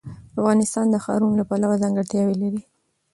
افغانستان د ښارونو له پلوه ځانګړتیاوې لري.